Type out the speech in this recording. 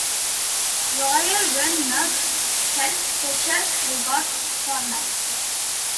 Royal wet nurse held special regard for life.